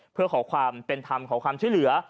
เพื่อขอความเป็นทำขอความเชื้อเหลือ